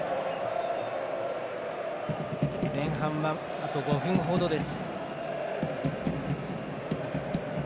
前半はあと５分ほどです。